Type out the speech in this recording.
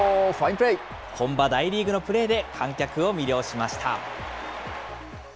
本場、大リーグのプレーで、観客を魅了しました。